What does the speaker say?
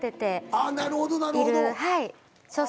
あっなるほどなるほど。